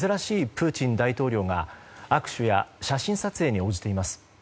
プーチン大統領が握手や写真撮影に応じています。